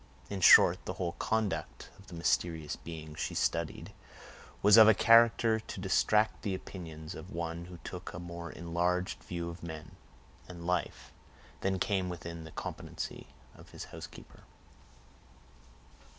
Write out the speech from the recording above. In short, the whole conduct of the mysterious being she studied was of a character to distract the opinions of one who took a more enlarged view of men and life than came within the competency of his housekeeper.